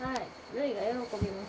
琉偉が喜びます。